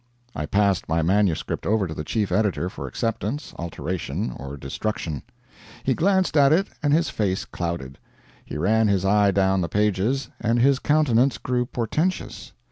I passed my manuscript over to the chief editor for acceptance, alteration, or destruction. He glanced at it and his face clouded. He ran his eye down the pages, and his countenance grew portentous.